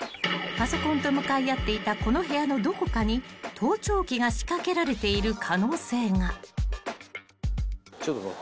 ［パソコンと向かい合っていたこの部屋のどこかに盗聴器が仕掛けられている可能性が］